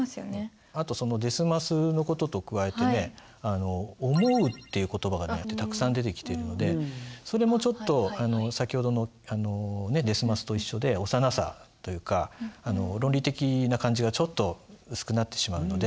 あとその「です・ます」の事と加えてね「思う」っていう言葉がねたくさん出てきているのでそれもちょっと先ほどの「です・ます」と一緒で幼さというか論理的な感じがちょっと薄くなってしまうので。